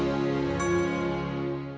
aku akan memberikanmu kembang